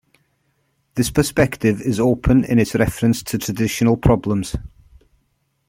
This perspective is open in its reference to traditional problems.